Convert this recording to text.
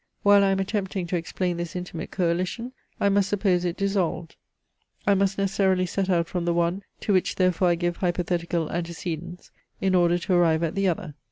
While I am attempting to explain this intimate coalition, I must suppose it dissolved. I must necessarily set out from the one, to which therefore I give hypothetical antecedence, in order to arrive at the other.